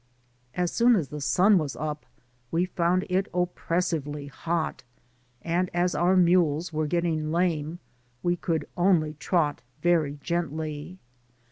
"*' As soon as the sun was up, we found it oppressively hot ; and as our mules were getting lame, we could only trot very gently.